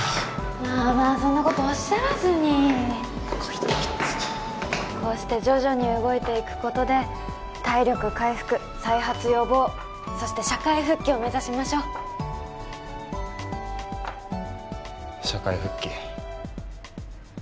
まあまあそんなことおっしゃらずにこうして徐々に動いていくことで体力回復再発予防そして社会復帰を目指しましょう社会復帰？